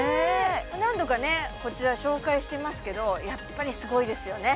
何度かねこちら紹介してますけどやっぱりすごいですよね